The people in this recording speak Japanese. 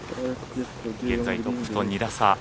現在トップと２打差。